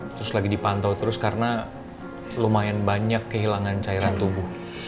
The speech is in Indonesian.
terus lagi dipantau terus karena lumayan banyak kehilangan cairan tubuh